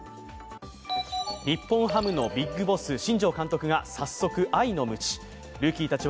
日本ハムのビッグボス、新庄監督が早速、愛のむち。